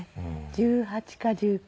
１８か１９。